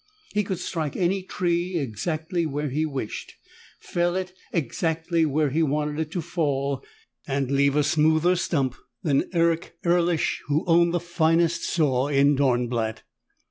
He could strike any tree exactly where he wished, fell it exactly where he wanted it to fall and leave a smoother stump than Erich Erlich, who owned the finest saw in Dornblatt.